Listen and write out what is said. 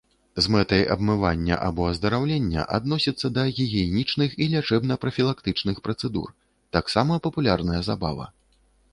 З мэтай абмывання або аздараўлення адносіцца да гігіенічных і лячэбна-прафілактычных працэдур, таксама папулярная забава.